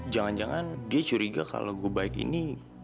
jangan jangan dia curiga kalau gue baik ini